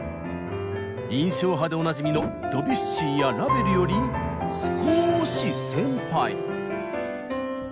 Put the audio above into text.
印象派でおなじみのドビュッシーやラヴェルより少し先輩。